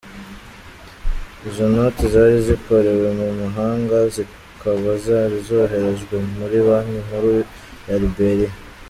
Izo noti zari zakorewe mu mahanga, zikaba zari zoherejwe muri banki nkuru ya Liberia.